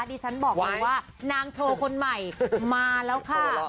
ดิฉันบอกมาว่านางโชว์คนใหม่มาแล้วค่ะ